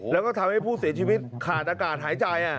แล้วก็ทำให้ผู้เสียชีวิตขาดอากาศหายใจ